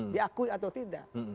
diakui atau tidak